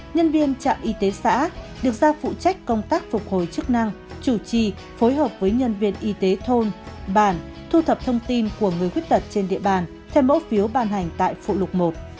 một nhân viên trạm y tế xã được ra phụ trách công tác phục hồi chức năng chủ trì phối hợp với nhân viên y tế thôn bản thu thập thông tin của người khuyết tật trên địa bàn theo mẫu phiếu ban hành tại phụ lục một